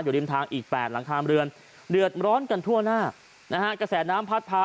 ริมทางอีก๘หลังคาเรือนเดือดร้อนกันทั่วหน้านะฮะกระแสน้ำพัดพา